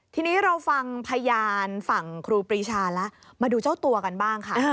ทีนี้เราฟังพยานฝั่งครูปรีชาแล้วมาดูเจ้าตัวกันบ้างค่ะ